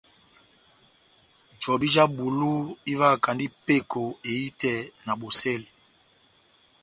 Jobi já bulu ivahakandi peko ehitɛ na bosɛli.